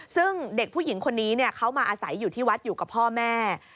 ซึ่งเด็กผู้หญิงคนนี้เขามาอาศัยอยู่ที่วัดอยู่กับพ่อแม่